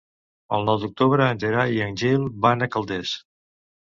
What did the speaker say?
El nou d'octubre en Gerai i en Gil van a Calders.